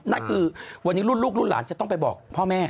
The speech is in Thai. นั่นคือวันนี้รุ่นลูกรุ่นหลานจะต้องไปบอกพ่อแม่